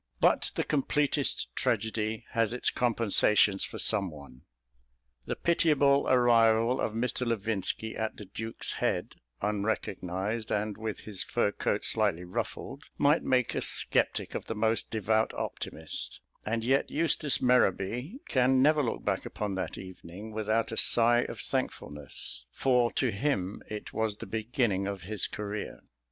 But the completest tragedy has its compensations for some one. The pitiable arrival of Mr. Levinski at "The Duke's Head," unrecognised and with his fur coat slightly ruffled, might make a sceptic of the most devout optimist, and yet Eustace Merrowby can never look back upon that evening without a sigh of thankfulness; for to him it was the beginning of his career.